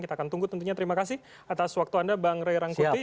kita akan tunggu tentunya terima kasih atas waktu anda bang ray rangkuti